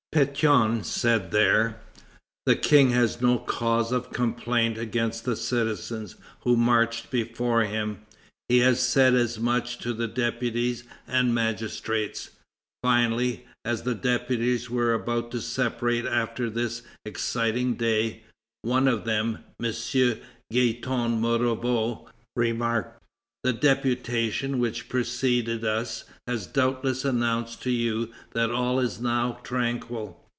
Pétion said there: "The King has no cause of complaint against the citizens who marched before him. He has said as much to the deputies and magistrates." Finally, as the deputies were about to separate after this exciting day, one of them, M. Guyton Morveau, remarked: "The deputation which preceded us, has doubtless announced to you that all is now tranquil.